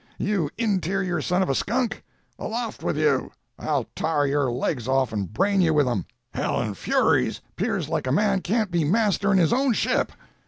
You in terior son of a skunk! Aloft with you! I'll tar your legs off and brain you with 'em! Hell and furies, 'pears like a man can't be master in his own ship!'